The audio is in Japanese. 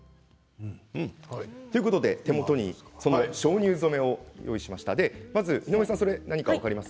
手元に鍾乳染めを用意しました。